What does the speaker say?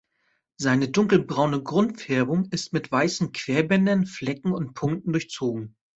Seine dunkelbraune Grundfärbung ist mit weißen Querbändern, Flecken und Punkten durchzogen.